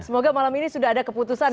semoga malam ini sudah ada keputusan